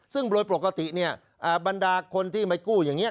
ซึ่งโบราณปกติเนี่ยบรรดาคนที่ไม่กู้อย่างนี้